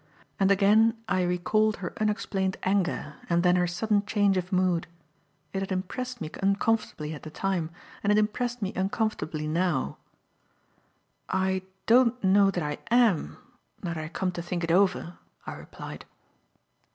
And again, I recalled her unexplained anger and then her sudden change of mood. It had impressed me uncomfortably at the time, and it impressed me uncomfortably now. "I don't know that I am, now that I come to think it over," I replied.